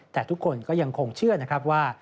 แต่ทุกคนก็ยังคงเชื่อนะครับว่า